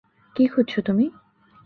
কি খুঁজছ তুমি?